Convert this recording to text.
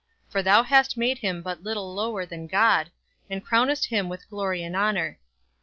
For thou hast made him but little lower than God, And crownest him with glory and honor.